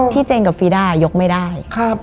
เจนกับฟีด้ายกไม่ได้